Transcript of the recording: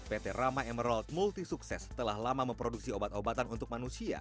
pt rama emerald multi sukses telah lama memproduksi obat obatan untuk manusia